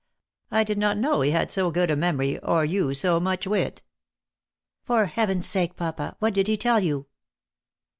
I did not know he had so good a memory, or you so much wit." "For Heaven s sake, papa, what did he tell you?"